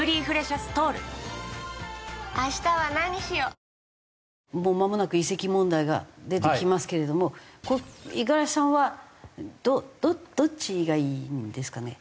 サントリーセサミンもうまもなく移籍問題が出てきますけれどもこれ五十嵐さんはどっちがいいんですかね？